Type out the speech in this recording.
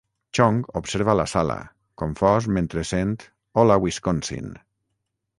Chong observa la sala, confós mentre sent Hola, Wisconsin!